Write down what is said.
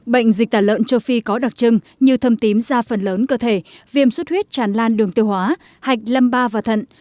bệnh dịch tả lợn châu phi có đặc trưng như thâm tím da phần lớn cơ thể viêm xuất huyết tràn lan đường tiêu hóa hạch lâm ba và thận